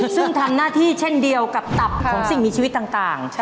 ซึ่งทำหน้าที่เช่นเดียวกับตับของสิ่งมีชีวิตต่าง